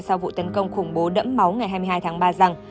sau vụ tấn công khủng bố đẫm máu ngày hai mươi hai tháng ba rằng